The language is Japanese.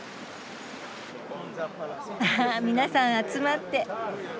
あ皆さん集まって。